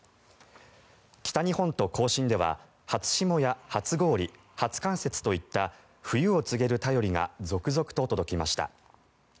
北日本と甲信では初霜や初氷、初冠雪といった冬を告げる便りが続々と届きました。